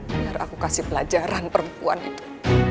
biar aku kasih pelajaran perempuan itu